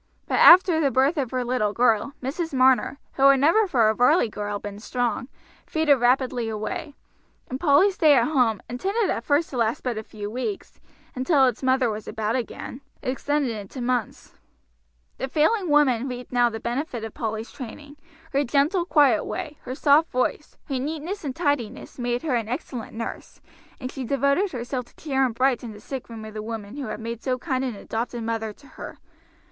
But after the birth of her little girl Mrs. Marner, who had never for a Varley girl been strong, faded rapidly away; and Polly's stay at home, intended at first to last but a few weeks, until its mother was about again, extended into months. The failing woman reaped now the benefit of Polly's training. Her gentle, quiet way, her soft voice, her neatness and tidiness, made her an excellent nurse, and she devoted herself to cheer and brighten the sickroom of the woman who had made so kind an adopted mother to her.